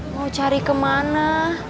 mau cari kemana